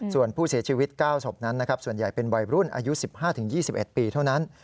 ส่วนผู้เสียชีวิต๙ศพนั้นนะครับส่วนใหญ่เป็นวัยรุ่นอายุ๑๕๒๑ปีเท่านั้น